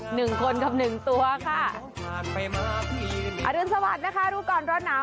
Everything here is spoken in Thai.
หนึ่งคนครับหนึ่งตัวค่ะอรุณสวัสดิ์นะคะดูก่อนร้อนหนาว